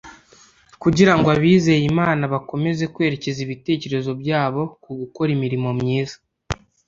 Kugira ngo abizeye imana bakomeze kwerekeza ibitekerezo byabo ku gukora imirimo myiza